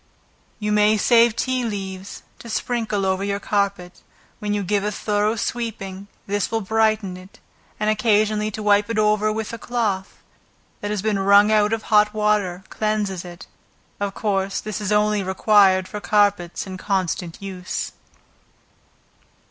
You may save tea leaves, to sprinkle over your carpet, when you give a thorough sweeping, this will brighten it, and occasionally to wipe it over, with a cloth, that has been wrung out of hot water cleanses it, of course, this is only required for carpets in constant use.